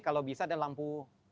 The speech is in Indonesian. kalau bisa ada lampu